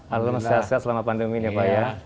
alhamdulillah selamat pandemi ya pak ya